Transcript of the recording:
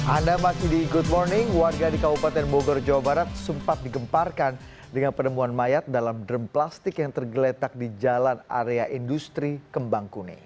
anda masih di good morning warga di kabupaten bogor jawa barat sempat digemparkan dengan penemuan mayat dalam drum plastik yang tergeletak di jalan area industri kembang kuning